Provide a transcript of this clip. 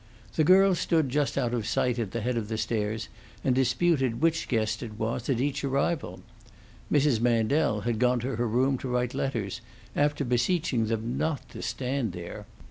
The girls stood just out of sight at the head of the stairs, and disputed which guest it was at each arrival; Mrs. Mandel had gone to her room to write letters, after beseeching them not to stand there.